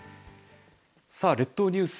さあ列島ニュース